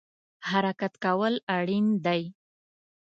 حرکت کول اړین دی